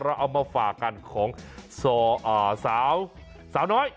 เอามาฝากกันของสาวน้อย